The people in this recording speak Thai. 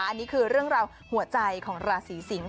อันนี้คือเรื่องราวหัวใจของราศีสิงศ์